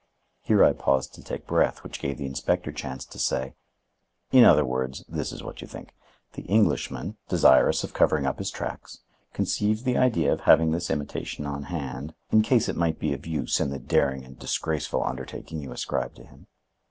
Here I paused to take breath, which gave the inspector chance to say: "In other words, this is what you think. The Englishman, desirous of covering up his tracks, conceived the idea of having this imitation on hand, in case it might be of use in the daring and disgraceful undertaking you ascribe to him.